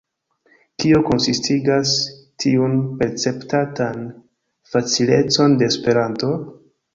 Kio konsistigas tiun perceptatan facilecon de Esperanto?